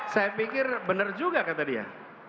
saya pikir benar juga kata dia